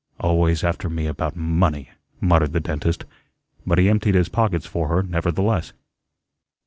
"Always after me about money," muttered the dentist; but he emptied his pockets for her, nevertheless.